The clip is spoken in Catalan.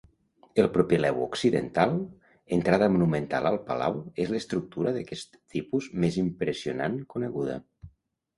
El propileu occidental, entrada monumental al palau, és l'estructura d'aquest tipus més impressionant coneguda.